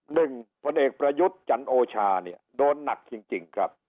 พลเอกประยุทธ์จันโอชาเนี่ยโดนหนักจริงครับ